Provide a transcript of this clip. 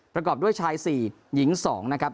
ประกอบด้วยชาย๔หญิง๒นะครับ